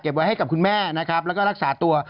ไว้ให้กับคุณแม่นะครับแล้วก็รักษาตัว